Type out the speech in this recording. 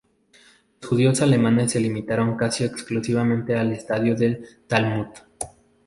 Los judíos alemanes se limitaron casi exclusivamente al estudio del Talmud.